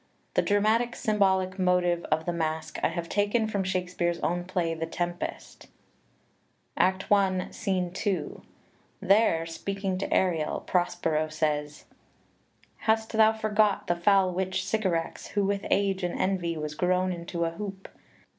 The dramatic symbolic motive of the Masque I have taken from Shakespeare's own play "The Tempest," xiii xiv PREFACE Act I, Scene 2. There, speaking to Ariel, Prospero says: "Hast thou forgot The foul witch Sycorax, who with age and envy Was grown in to a hoop?